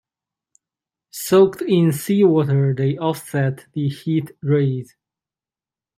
Soaked in seawater they offset the heat rays.